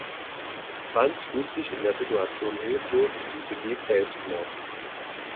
Franz fühlt sich in der Situation hilflos und begeht Selbstmord.